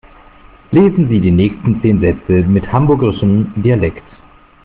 Lesen Sie die nächsten zehn Sätze mit hamburgischem Dialekt.